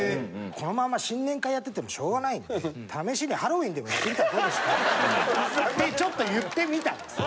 このまま新年会やっててもしょうがないので「試しにハロウィーンでもやってみたらどうですか？」ってちょっと言ってみたんです。